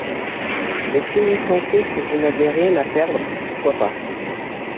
Mais si vous sentez que vous n’avez rien à perdre, pourquoi pas ?